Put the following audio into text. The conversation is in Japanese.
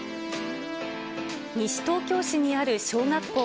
西東京市にある小学校。